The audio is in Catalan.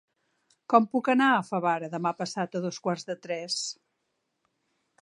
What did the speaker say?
Com puc anar a Favara demà passat a dos quarts de tres?